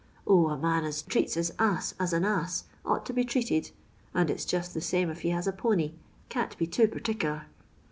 0, a man as treats his ass as a ass ought to be treated— and it's just the same if he has a pony— can't be too perticler.